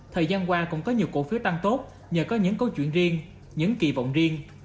thời gian qua cũng có nhiều cổ phiếu tăng tốt nhờ có những câu chuyện riêng những kỳ vọng riêng